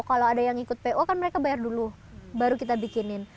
kalau ada yang ikut po kan mereka bayar dulu baru kita bikinin